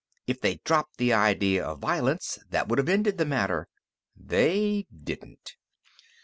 If they'd dropped the idea of violence, that would have ended the matter. They didn't."